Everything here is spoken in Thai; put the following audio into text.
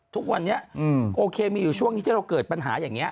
ทุกวันนี้โอเคมีอยู่ช่วงนี้ที่เราเกิดปัญหาอย่างนี้